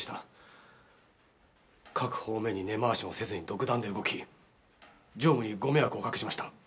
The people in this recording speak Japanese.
各方面に根回しもせずに独断で動き常務にご迷惑をおかけしました。